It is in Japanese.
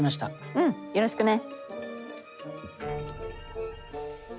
うんよろしくね。